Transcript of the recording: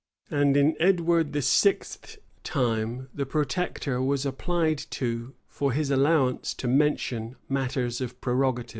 And in Edward VI.'s time, the protector was applied to for his allowance to mention matters of prerogative.